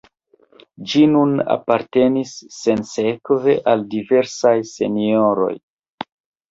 Ĝi nun apartenis sinsekve al diversaj senjoroj.